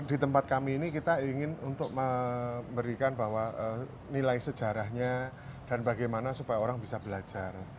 jadi di tempat kami ini kita ingin untuk memberikan bahwa nilai sejarahnya dan bagaimana supaya orang bisa belajar